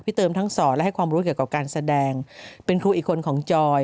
เติมทั้งสอนและให้ความรู้เกี่ยวกับการแสดงเป็นครูอีกคนของจอย